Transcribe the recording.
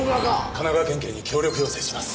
神奈川県警に協力要請します。